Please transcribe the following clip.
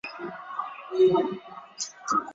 卡夏在俄斯特拉发开始他的职业生涯。